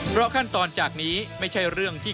เพราะขั้นตอนจากนี้ไม่ใช่เรื่องที่